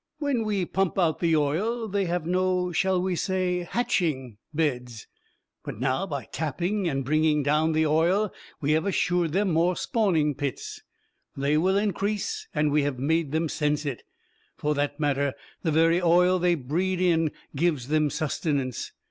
"When we pump out the oil, they have no shall we say "hatching?" beds. But now, by tapping and bringing down the oil, we have assured them more spawning pits. They will increase, and we have made them sense it. For that matter, the very oil they breed in, gives them sustenance.